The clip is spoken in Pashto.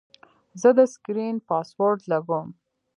زه د سکرین پاسورډ لګوم.